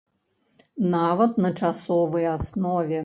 Нават на часовай аснове.